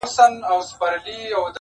د زړه جيب كي يې ساتم انځورونه “گلابونه”